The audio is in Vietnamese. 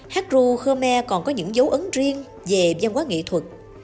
hát ru khmer còn có những dấu ấn riêng về văn hóa nghệ thuật